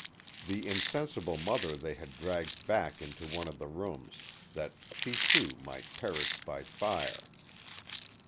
The insensible mother they had dragged back into one of the rooms, that she, too, might perish by fire.